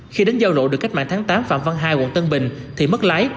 khi đến giao lộ được cách mạng tháng tám phạm văn hai quận tân bình thì mất lái